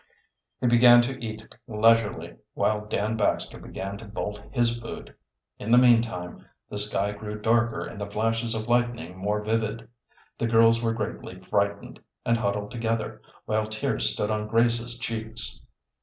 He began to eat leisurely, while Dan Baxter began to bolt his food. In the meantime the sky grew darker and the flashes of lightning more vivid. The girls were greatly frightened, and huddled together, while tears stood on Grace's cheeks.